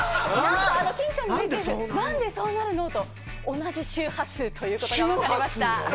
欽ちゃんの、なんでそうなるのと同じ周波数ということが出ました。